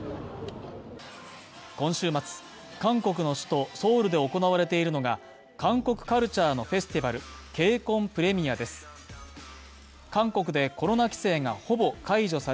今週末、韓国の首都ソウルで行われているのが韓国カルチャーのフェスティバルＫＣＯＮＰｒｅｍｉｅｒｅです。